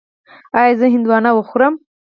ایا زه هندواڼه وخورم؟